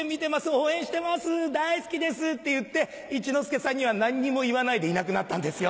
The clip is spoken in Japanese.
応援してます大好きです」って言って一之輔さんには何にも言わないでいなくなったんですよ。